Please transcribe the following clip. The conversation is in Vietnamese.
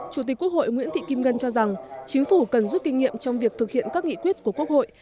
chủ tịch quốc hội nguyễn thị kim ngân cho rằng chính phủ cần rút kinh nghiệm trong việc thực hiện các nghị quyết của quốc hội